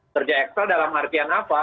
kerja ekstra dalam artian apa